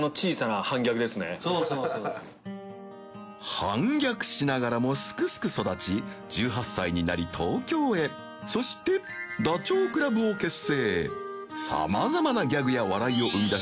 反逆しながらもすくすく育ち１８歳になり東京へそしてダチョウ倶楽部を結成さまざまなギャグや个い鮴犬濬个